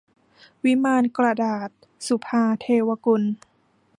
วิมานกระดาษ - สุภาว์ เทวกุล